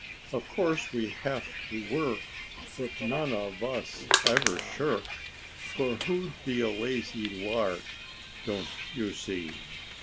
Of course we have to work, But none of us ever shirk; For who'd be a lazy lark, Don't you see?